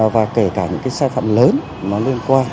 và kể cả những cái sai phạm lớn liên quan